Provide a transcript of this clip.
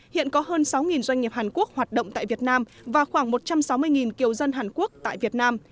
hiện có hơn sáu doanh nghiệp hàn quốc hoạt động tại việt nam và khoảng một trăm sáu mươi kiều dân hàn quốc tại việt nam